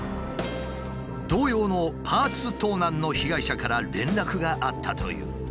同様のパーツ盗難の被害者から連絡があったという。